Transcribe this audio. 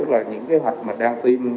tức là những kế hoạch mà đang tiêm